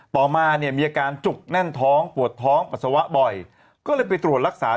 ต่อมาเนี่ยมีอาการจุกแน่นท้องปวดท้องปัสสาวะบ่อยก็เลยไปตรวจรักษา